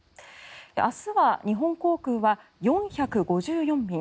明日は日本航空は４５４便